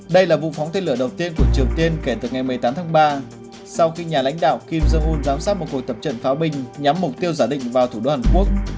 đây là vụ phóng tên lửa đầu tiên của triều tiên kể từ ngày một mươi tám tháng ba sau khi nhà lãnh đạo kim jong un giám sát một cuộc tập trận pháo binh nhắm mục tiêu giả định vào thủ đô hàn quốc